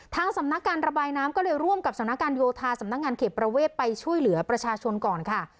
สำนักการระบายน้ำก็เลยร่วมกับสำนักการโยธาสำนักงานเขตประเวทไปช่วยเหลือประชาชนก่อนค่ะ